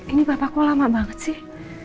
ini papa kok lama banget sih